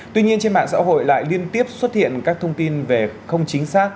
tuy nhiên trên mạng xã hội lại liên tiếp xuất hiện các thông tin về không chính xác